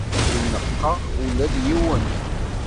Ur neɣɣeɣ ula d yiwen.